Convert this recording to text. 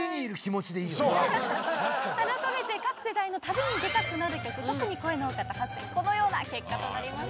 あらためて各世代の「旅に出たくなる曲」特に声の多かった８選このような結果となりました。